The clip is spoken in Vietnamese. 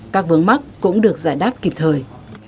các vướng mắt cũng được giải đáp kịp thời